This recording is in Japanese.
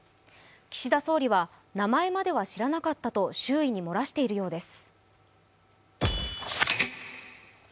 岸田総理は名前までは知らなかったと周囲に漏らしているようです。